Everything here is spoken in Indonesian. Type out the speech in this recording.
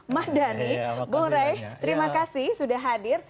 mahdani bung rey terima kasih sudah hadir